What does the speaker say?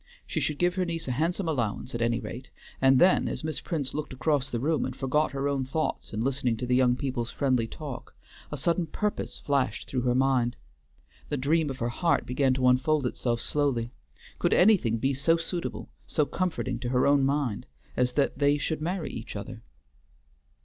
She should give her niece a handsome allowance at any rate, and then, as Miss Prince looked across the room and forgot her own thoughts in listening to the young people's friendly talk, a sudden purpose flashed through her mind. The dream of her heart began to unfold itself slowly: could anything be so suitable, so comforting to her own mind, as that they should marry each other?